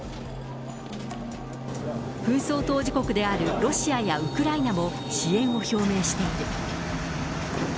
紛争当事国であるロシアやウクライナも支援を表明している。